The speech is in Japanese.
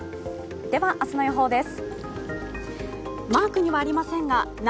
では明日の予報です。